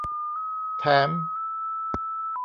แถม